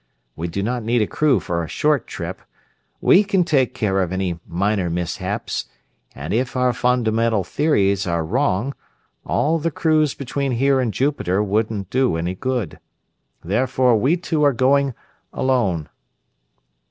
We do not need a crew for a short trip. We can take care of any minor mishaps, and if our fundamental theories are wrong, all the crews between here and Jupiter wouldn't do any good. Therefore we two are going alone."